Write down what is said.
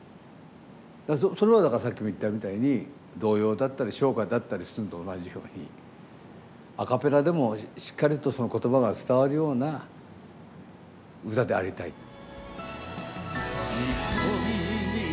それはだからさっきも言ったみたいに童謡だったり唱歌だったりするのと同じようにアカペラでもしっかりとその言葉が伝わるような歌でありたい。